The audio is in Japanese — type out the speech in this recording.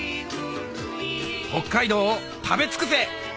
北海道を食べ尽くせ！